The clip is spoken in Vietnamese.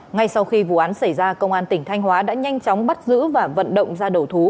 ngay sau khi vụ án xảy ra công an tỉnh thanh hóa đã nhanh chóng bắt giữ và vận động ra đầu thú